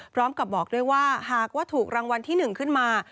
พร้อมกับบอกด้วยว่าหากว่าถูกรางวัลที่๑ขึ้นมา